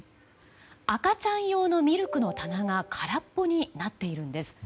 赤ちゃん用のミルクの棚が空っぽになっているんです。